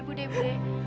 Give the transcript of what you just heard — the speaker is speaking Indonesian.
budi budi budi